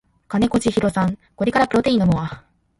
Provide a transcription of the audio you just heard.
金子千尋さんこれからプロテイン飲むわ